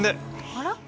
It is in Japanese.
あら？